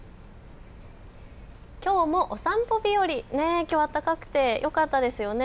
きょうもお散歩日和、きょうは暖かくてよかったですよね。